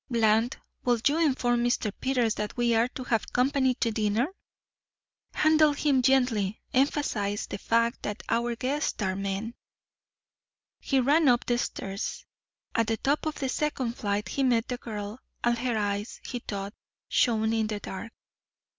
Bland, will you inform Mr. Peters that we are to have company to dinner? Handle him gently. Emphasize the fact that our guests are men." He ran up the stairs. At the top of the second flight he met the girl, and her eyes, he thought, shone in the dark.